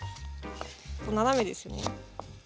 斜めですよね。